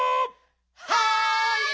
はい！